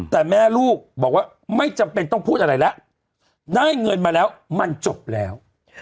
แต่แม่ลูกบอกว่าไม่จำเป็นต้องพูดอะไรแล้วได้เงินมาแล้วมันจบแล้ว